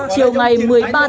chiều ngày một mươi tháng năm